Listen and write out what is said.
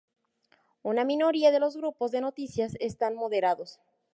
Una minoría de los grupos de noticias están moderados.